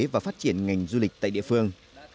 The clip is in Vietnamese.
và phát triển ngành du lịch tại địa phương